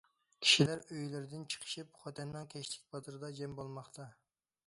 كىشىلەر ئۆيلىرىدىن چىقىشىپ، خوتەننىڭ كەچلىك بازىرىدا جەم بولماقتا.